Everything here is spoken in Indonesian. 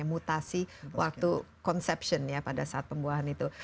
mutasi waktu conception ya pada saat pembuahan itu